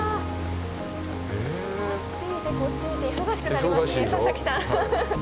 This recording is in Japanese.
あっち見てこっち見て忙しくなりますね佐々木さん。